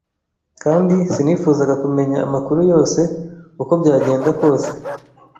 kandi sinifuzaga kumenya amakuru yose uko byagenda kose.